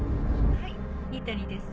☎はい仁谷です